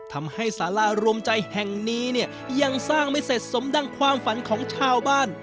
ทำให้สารารวมใจแห่งนี้เนี่ยยังสร้างไม่เสร็จสมดังความฝันของชาวบ้าน